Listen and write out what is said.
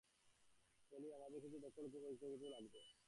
পলি, আমাদের কিছু দক্ষ লোকের প্রযুক্তিগত সাহায্য লাগবে।